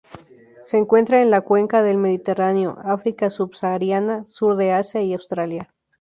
Se encuentra en la Cuenca del Mediterráneo, África subsahariana, sur de Asia y Australia.